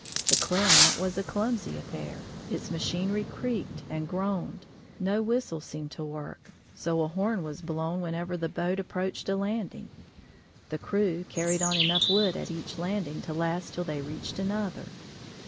The Clermont was a clumsy affair; its machinery creaked and groaned; no whistle seemed to work, so a horn was blown whenever the boat approached a landing. The crew carried on enough wood at each landing to last till they reached another.